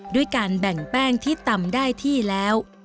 ด้วยการแบ่งแป้งที่ตำได้ที่แล้ว